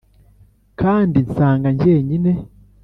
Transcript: kandi nsanga njyenyine?